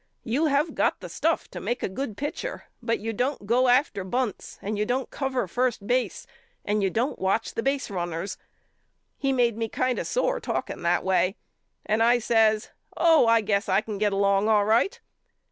You have got the stuff to make a good pitcher but you don't go after bunts and you don't cover first base and you don't watch the baserunners. He made me kind of sore talking that way and I says Oh I guess I can get along all right.